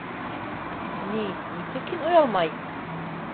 Ни-нисек һин, оялмай...